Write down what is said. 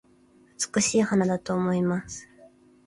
美しい花だと思います